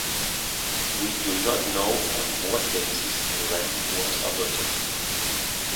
We do not know on what basis the land was allotted.